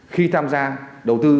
khi tham gia đầu tư